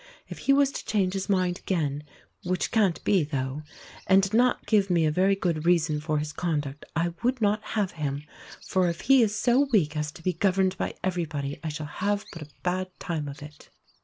If he was to change his mind again (which can't be, tho') and not give me a very good reason for his conduct, I would not have him; for if he is so weak as to be governed by everybody, I shall have but a bad time of it."